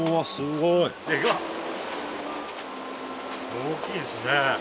大きいですね。